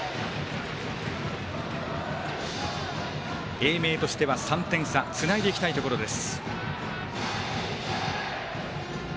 英明としては、３点差つないでいきたいところです。